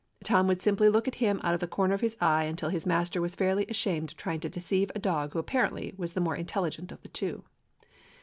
Tom would simply look at him out of the comer of his eye until his master was fairly ashamed of trying to deceive a dog who apparently was the more intelligent of the two.